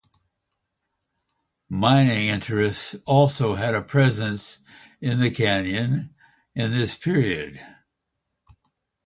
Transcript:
Mining interests also had a presence in the canyon in this period.